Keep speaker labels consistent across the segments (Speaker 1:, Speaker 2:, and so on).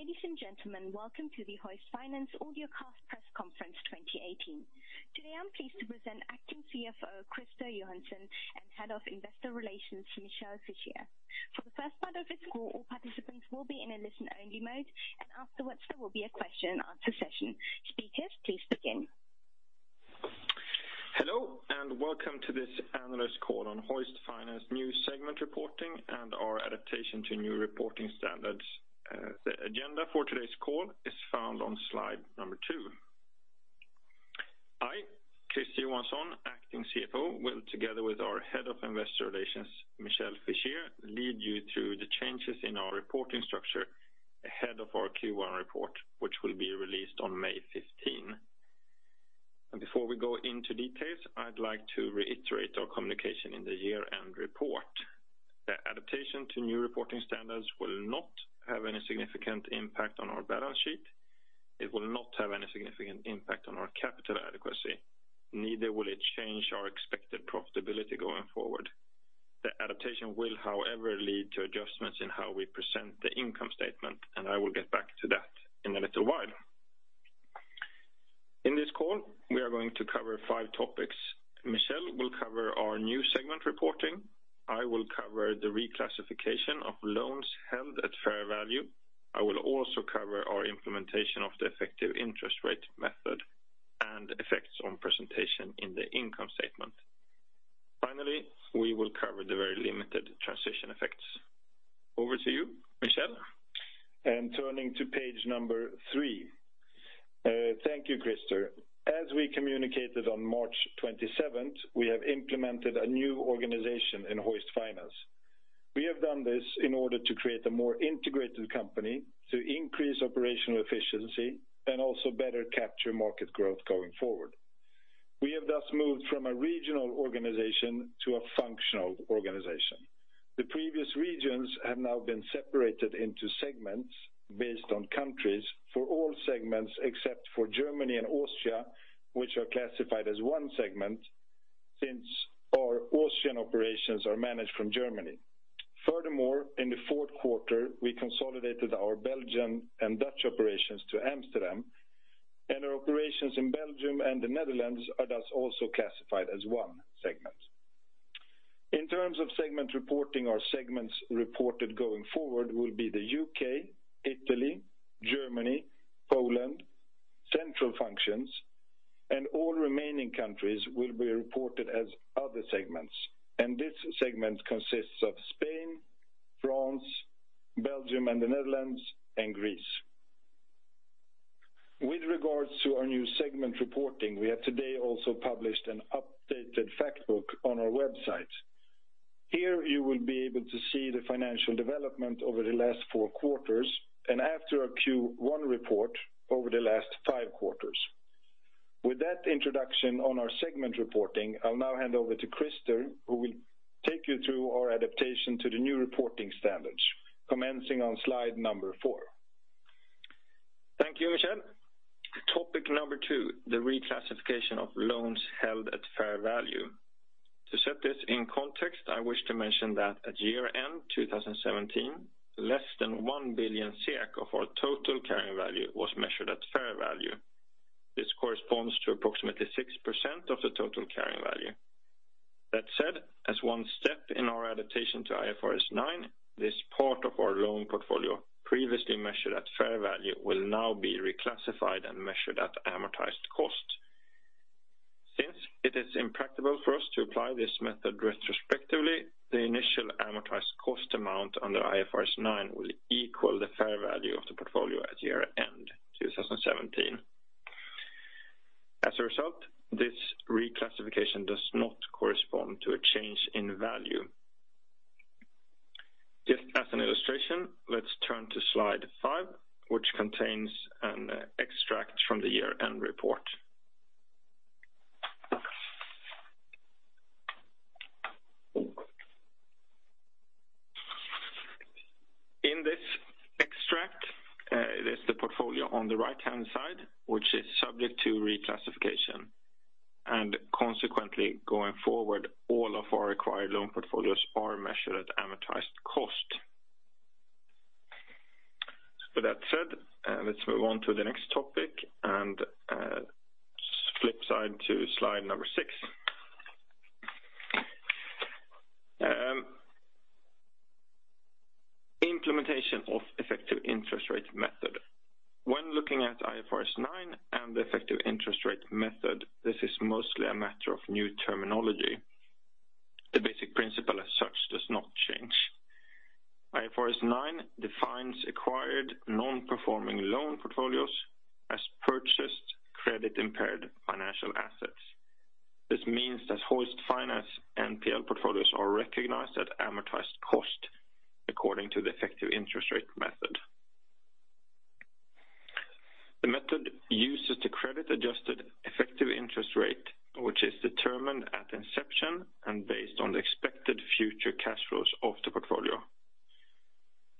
Speaker 1: Ladies and gentlemen, welcome to the Hoist Finance Audiocast Press Conference 2018. Today, I am pleased to present Acting CFO, Christer Johansson, and Head of Investor Relations, Michel Fischier. For the first part of this call, all participants will be in a listen-only mode, afterwards there will be a question and answer session. Speakers, please begin.
Speaker 2: Hello, welcome to this analyst call on Hoist Finance new segment reporting and our adaptation to new reporting standards. The agenda for today's call is found on slide number two. I, Christer Johansson, Acting CFO, will together with our Head of Investor Relations, Michel Fischier, lead you through the changes in our reporting structure ahead of our Q1 report, which will be released on May 15. Before we go into details, I would like to reiterate our communication in the year-end report. The adaptation to new reporting standards will not have any significant impact on our balance sheet. It will not have any significant impact on our capital adequacy. Neither will it change our expected profitability going forward. The adaptation will, however, lead to adjustments in how we present the income statement, I will get back to that in a little while. In this call, we are going to cover five topics. Michel will cover our new segment reporting. I will cover the reclassification of loans held at fair value. I will also cover our implementation of the effective interest rate method and effects on presentation in the income statement. Finally, we will cover the very limited transition effects. Over to you, Michel.
Speaker 3: Turning to page number three. Thank you, Christer. As we communicated on March 27th, we have implemented a new organization in Hoist Finance. We have done this in order to create a more integrated company to increase operational efficiency and also better capture market growth going forward. We have thus moved from a regional organization to a functional organization. The previous regions have now been separated into segments based on countries for all segments except for Germany and Austria, which are classified as one segment, since our Austrian operations are managed from Germany. Furthermore, in the fourth quarter, we consolidated our Belgian and Dutch operations to Amsterdam, our operations in Belgium and the Netherlands are thus also classified as one segment. In terms of segment reporting, our segments reported going forward will be the U.K., Italy, Germany, Poland, central functions, and all remaining countries will be reported as other segments. This segment consists of Spain, France, Belgium and the Netherlands, and Greece. With regards to our new segment reporting, we have today also published an updated fact book on our website. Here you will be able to see the financial development over the last 4 quarters, and after our Q1 report over the last 5 quarters. With that introduction on our segment reporting, I will now hand over to Christer, who will take you through our adaptation to the new reporting standards, commencing on slide number four.
Speaker 2: Thank you, Michel. Topic number 2, the reclassification of loans held at fair value. To set this in context, I wish to mention that at year-end 2017, less than 1 billion of our total carrying value was measured at fair value. This corresponds to approximately 6% of the total carrying value. That said, as one step in our adaptation to IFRS 9, this part of our loan portfolio previously measured at fair value, will now be reclassified and measured at amortized cost. Since it is impractical for us to apply this method retrospectively, the initial amortized cost amount under IFRS 9 will equal the fair value of the portfolio at year-end 2017. As a result, this reclassification does not correspond to a change in value. Just as an illustration, let's turn to slide five, which contains an extract from the year-end report. In this extract, it is the portfolio on the right-hand side, which is subject to reclassification, and consequently, going forward, all of our acquired loan portfolios are measured at amortized cost. With that said, let's move on to the next topic and flip side to slide number six. Implementation of effective interest rate method. When looking at IFRS 9 and the effective interest rate method, this is mostly a matter of new terminology. The basic principle as such does not change. IFRS 9 defines acquired non-performing loan portfolios as purchased credit-impaired financial assets. This means that Hoist Finance NPL portfolios are recognized at amortized cost according to the effective interest rate method. The method uses the credit-adjusted effective interest rate, which is determined at inception and based on the expected future cash flows of the portfolio.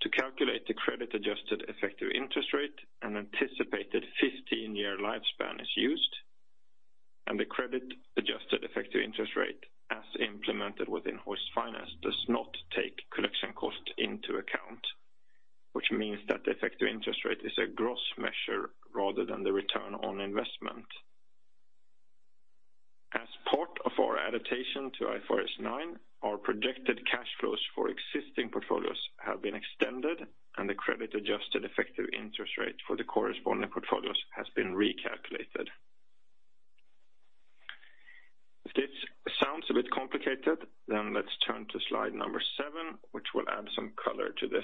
Speaker 2: To calculate the credit-adjusted effective interest rate, an anticipated 15-year lifespan is used. The credit-adjusted effective interest rate as implemented within Hoist Finance does not take collection cost into account, which means that the effective interest rate is a gross measure rather than the return on investment. As part of our adaptation to IFRS 9, our projected cash flows for existing portfolios have been extended and the credit-adjusted effective interest rate for the corresponding portfolios has been recalculated. If this sounds a bit complicated, then let's turn to slide number seven, which will add some color to this.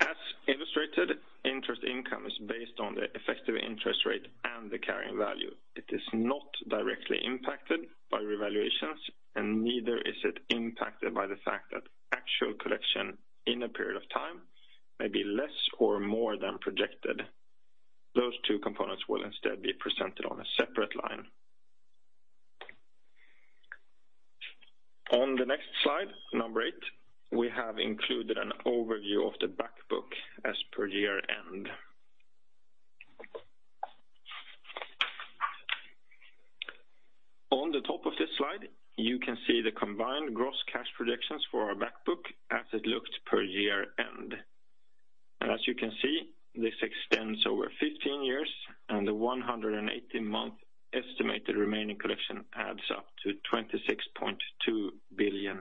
Speaker 2: As illustrated, interest income is based on the effective interest rate and the carrying value. It is not directly impacted by revaluations, and neither is it impacted by the fact that actual collection in a period of time may be less or more than projected. Those two components will instead be presented on a separate line. On the next slide, number eight, we have included an overview of the back book as per year-end. On the top of this slide, you can see the combined gross cash projections for our back book as it looked per year-end. As you can see, this extends over 15 years, and the 180-month estimated remaining collection adds up to 26.2 billion.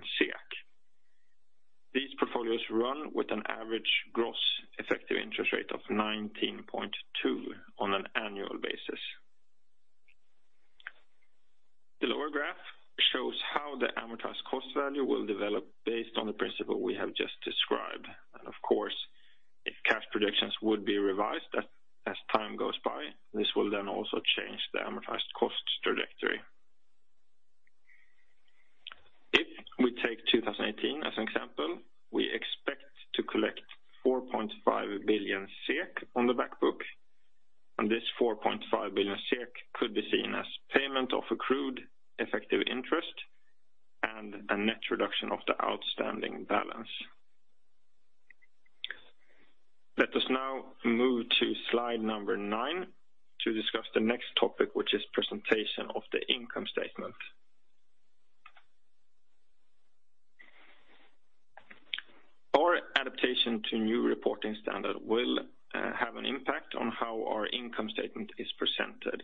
Speaker 2: These portfolios run with an average gross effective interest rate of 19.2% on an annual basis. The lower graph shows how the amortized cost value will develop based on the principle we have just described. Of course, if cash projections would be revised as time goes by, this will then also change the amortized cost trajectory. If we take 2018 as an example, we expect to collect 4.5 billion SEK on the back book. This 4.5 billion SEK could be seen as payment of accrued effective interest and a net reduction of the outstanding balance. Let us now move to slide number nine to discuss the next topic, which is presentation of the income statement. Our adaptation to new reporting standard will have an impact on how our income statement is presented.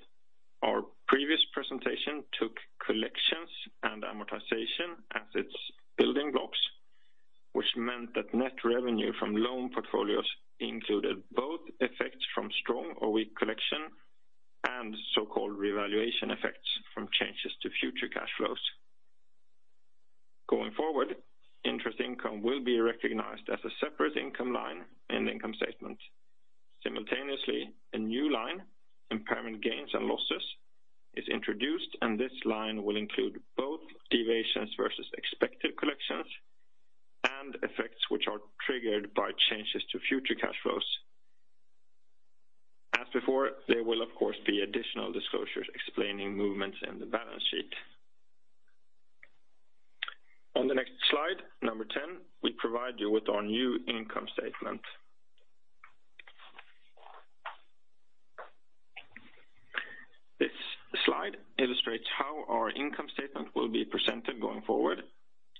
Speaker 2: Our previous presentation took collections and amortization as its building blocks, which meant that net revenue from loan portfolios included both effects from strong or weak collection and so-called revaluation effects from changes to future cash flows. Going forward, interest income will be recognized as a separate income line in the income statement. Simultaneously, a new line, impairment gains and losses, is introduced. This line will include both deviations versus expected collections and effects which are triggered by changes to future cash flows. As before, there will, of course, be additional disclosures explaining movements in the balance sheet. On the next slide, number 10, we provide you with our new income statement. This slide illustrates how our income statement will be presented going forward.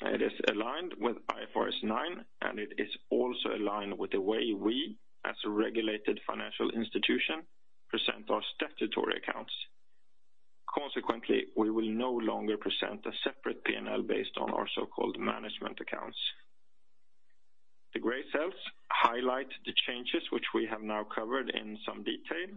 Speaker 2: It is aligned with IFRS 9. It is also aligned with the way we, as a regulated financial institution, present our statutory accounts. Consequently, we will no longer present a separate P&L based on our so-called management accounts. The gray cells highlight the changes which we have now covered in some detail.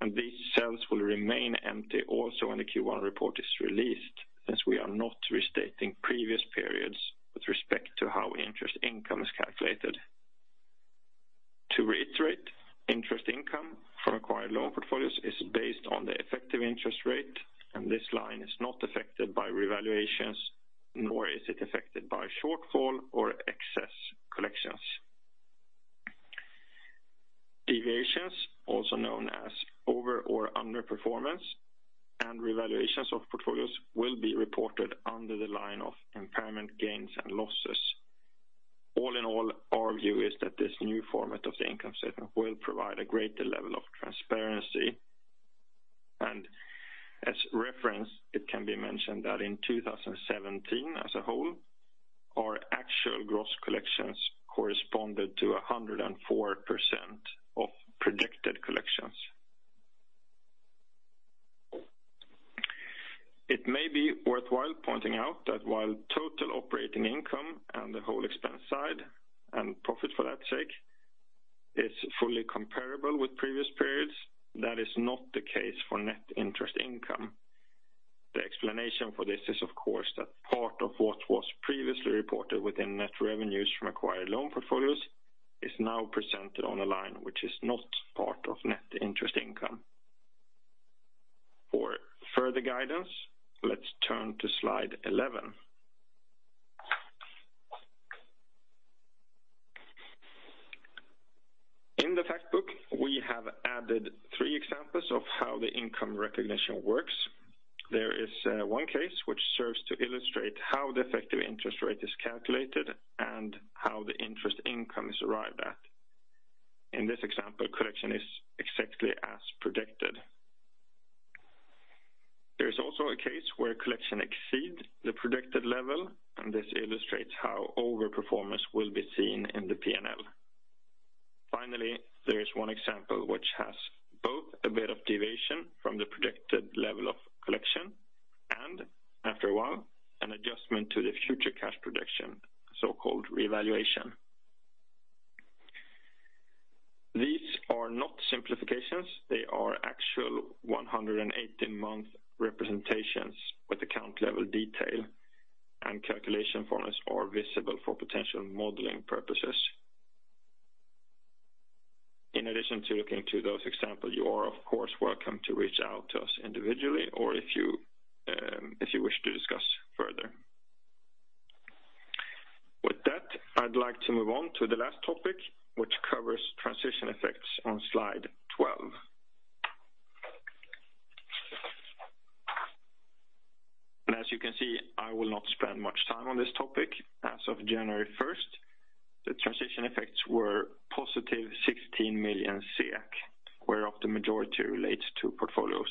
Speaker 2: These cells will remain empty also when the Q1 report is released, since we are not restating previous periods with respect to how interest income is calculated. To reiterate, interest income from acquired loan portfolios is based on the effective interest rate. This line is not affected by revaluations, nor is it affected by shortfall or excess collections. Deviations, also known as over or underperformance, and revaluations of portfolios will be reported under the line of impairment gains and losses. All in all, our view is that this new format of the income statement will provide a greater level of transparency. As reference, it can be mentioned that in 2017 as a whole, our actual gross collections corresponded to 104% of projected collections. It may be worthwhile pointing out that while total operating income and the whole expense side and profit for that sake is fully comparable with previous periods, that is not the case for net interest income. The explanation for this is, of course, that part of what was previously reported within net revenues from acquired loan portfolios is now presented on a line which is not part of net interest income. For further guidance, let's turn to slide eleven. In the fact book, we have added three examples of how the income recognition works. There is one case which serves to illustrate how the effective interest rate is calculated and how the interest income is arrived at. In this example, collection is exactly as predicted. There is also a case where collection exceeds the predicted level, and this illustrates how over-performance will be seen in the P&L. Finally, there is one example which has both a bit of deviation from the predicted level of collection and after a while, an adjustment to the future cash projection, so-called revaluation. These are not simplifications. They are actual 118-month representations with account level detail and calculation formulas are visible for potential modeling purposes. In addition to looking to those examples, you are of course welcome to reach out to us individually or if you wish to discuss further. With that, I'd like to move on to the last topic, which covers transition effects on slide 12. As you can see, I will not spend much time on this topic. As of January 1st, the transition effects were positive 16 million, whereof the majority relates to portfolios.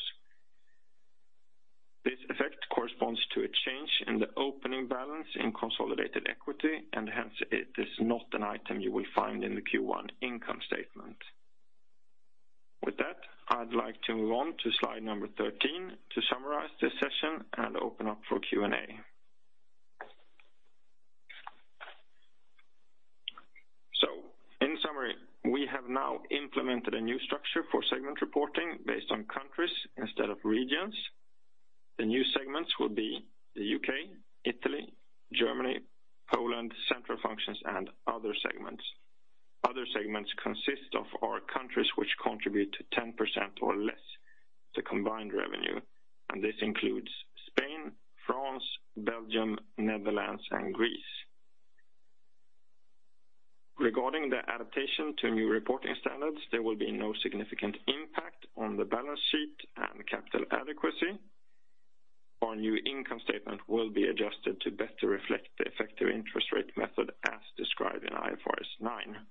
Speaker 2: This effect corresponds to a change in the opening balance in consolidated equity, and hence it is not an item you will find in the Q1 income statement. With that, I'd like to move on to slide number 13 to summarize this session and open up for Q&A. In summary, we have now implemented a new structure for segment reporting based on countries instead of regions. The new segments will be the U.K., Italy, Germany, Poland, central functions, and other segments. Other segments consist of our countries which contribute to 10% or less to combined revenue, and this includes Spain, France, Belgium, Netherlands, and Greece. Regarding the adaptation to new reporting standards, there will be no significant impact on the balance sheet and capital adequacy. Our new income statement will be adjusted to better reflect the effective interest rate method as described in IFRS 9.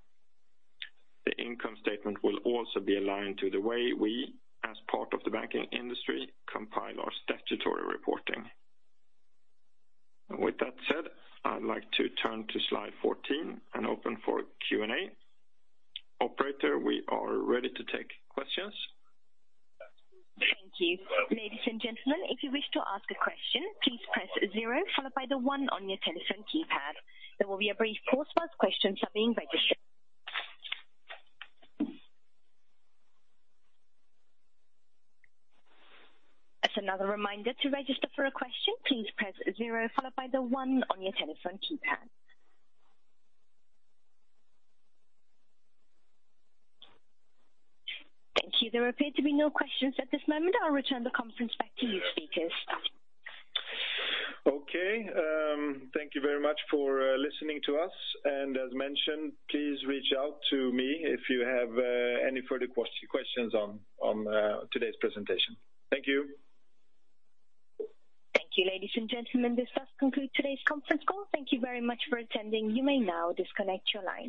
Speaker 2: The income statement will also be aligned to the way we, as part of the banking industry, compile our statutory reporting. With that said, I'd like to turn to slide 14 and open for Q&A. Operator, we are ready to take questions.
Speaker 1: Thank you. Ladies and gentlemen, if you wish to ask a question, please press zero followed by the one on your telephone keypad. There will be a brief pause while questions are being registered. As another reminder, to register for a question, please press zero followed by the one on your telephone keypad. Thank you. There appear to be no questions at this moment. I'll return the conference back to you speakers.
Speaker 2: Okay. Thank you very much for listening to us. As mentioned, please reach out to me if you have any further questions on today's presentation. Thank you.
Speaker 1: Thank you, ladies and gentlemen. This does conclude today's conference call. Thank you very much for attending. You may now disconnect your line.